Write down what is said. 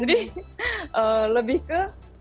jadi lebih ke